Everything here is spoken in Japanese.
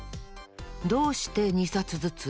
どうして２さつずつ？